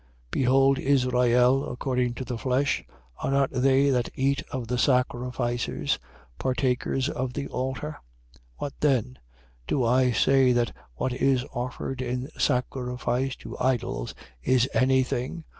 Behold Israel according to the flesh. Are not they that eat of the sacrifices partakers of the altar? 10:19. What then? Do I say that what is offered in sacrifice to idols is any thing?